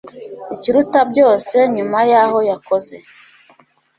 ikiruta byose, nyuma yaho yakoze